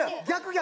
逆！